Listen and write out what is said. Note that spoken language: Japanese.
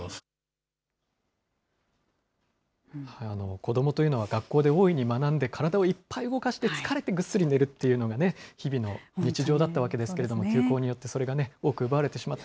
子どもというのは学校で大いに学んで、体をいっぱい動かして、疲れてぐっすり寝るっていうのもね、日々の日常だったわけですけれども、休校によって、それが多く奪われてしまった。